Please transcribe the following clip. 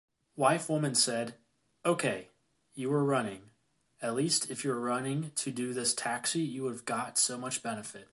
Wife/Woman said: Okay, you were running, at least if you were running to this taxi you would have got so much benefit.